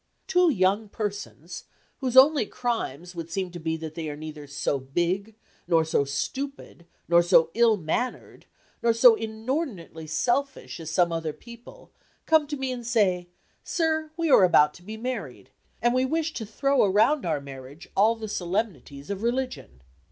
Two young persons, whose only crimes would seem to be that they are neither so big, nor so stupid, nor so ill mannered, nor so inordinately selfish as some other people, come to me and say, sir, we are about to be married, and we wish to throw around our marriage all the solemnities of religion.